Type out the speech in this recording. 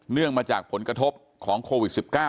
เนื่องมาจากผลกระทบของโควิด๑๙